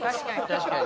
確かに。